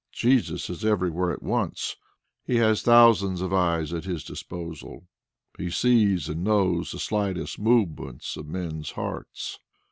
Jesus is everywhere at once; He has thousands of eyes at His disposal; He sees and knows the slightest movements of men's hearts.